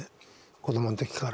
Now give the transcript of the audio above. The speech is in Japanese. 子どもの時から。